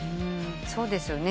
そうですよね。